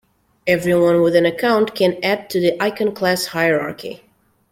Everyone with an account can add to the iconclass hierarchy.